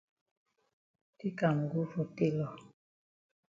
Take am go for tailor.